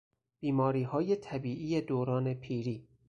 بیماریهای طبیعی دوران پیری